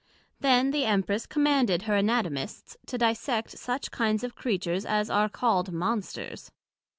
Then the Empress commanded her Anatomists to dissect such kinds of Creatures as are called Monsters.